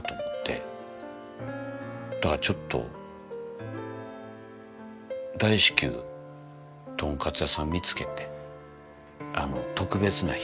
だからちょっと大至急とんかつ屋さん見つけて特別な日にとんかつ。